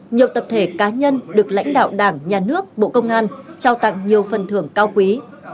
nhiều tập thể cá nhân được lãnh đạo đảng nhà nước bộ công an trao tặng nhiều phần thưởng cao quý